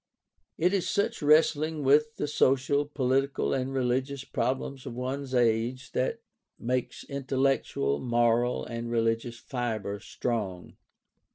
It is such wrestling with the social, political, and religious problems of one's age that makes intellectual, moral, and religious fiber strong.